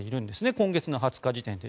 今月の２０日時点で。